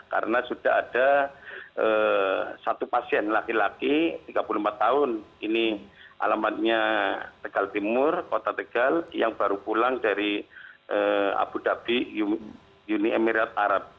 karena sudah ada satu pasien laki laki tiga puluh lima tahun ini alamatnya tegal timur kota tegal yang baru pulang dari abu dhabi uni emirat arab